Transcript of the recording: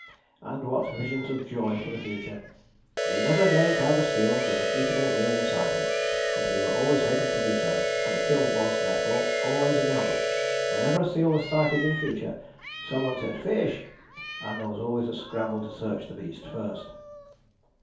And what visions of joy for the future. "We never again found a seal with an eatable meal inside him, but we were always hoping to do so, and a kill was, therefore, always a gamble. Whenever a seal was sighted in future, some one said, 'Fish!' and there was always a scramble to search the beast first."